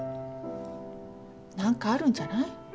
何かあるんじゃない？